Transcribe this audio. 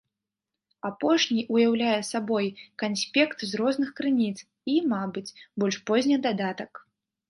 Апошні ўяўляе сабой канспект з розных крыніц і, мабыць, больш позні дадатак.